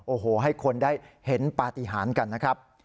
โอ้โหให้คนได้เห็นปฏิหารกันนะครับ